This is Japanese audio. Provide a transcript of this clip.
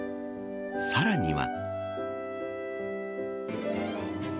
さらには。